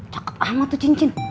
cakep amat tuh cincin